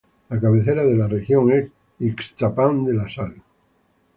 La cabecera de la región es Ixtapan de la Sal.